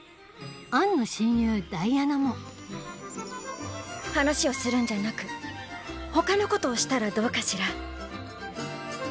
アンの親友ダイアナも話をするんじゃなく他のことをしたらどうかしら？